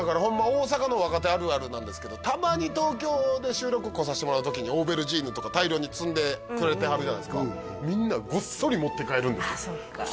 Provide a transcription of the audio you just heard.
大阪の若手あるあるなんですけどたまに東京で収録来させてもらう時にオーベルジーヌとか大量に積んでくれてはるじゃないすかみんなごっそり持って帰るんですよあっ